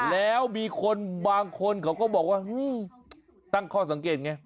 แล้วมีคนบางคนเขาก็บอกว่าตั้งข้อสังเกตไง